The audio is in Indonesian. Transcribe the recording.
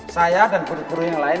saya dan guru guru yang lain